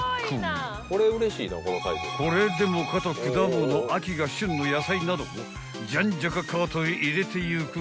［これでもかと果物秋が旬の野菜などをじゃんじゃかカートへ入れてゆく］